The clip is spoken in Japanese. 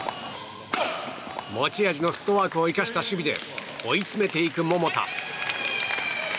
持ち味のフットワークを生かした守備で追い詰めていく桃田。